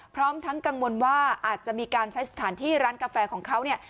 พร้อมทั้งกังวลว่าอาจจะมีการใช้สถานที่ร้านกาแฟของเขาเนี่ย